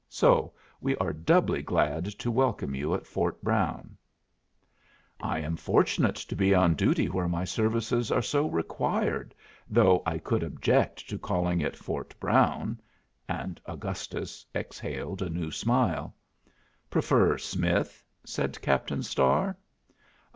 So we are doubly glad to welcome you at Fort Brown." "I am fortunate to be on duty where my services are so required, though I could object to calling it Fort Brown." And Augustus exhaled a new smile. "Prefer Smith?" said Captain Starr.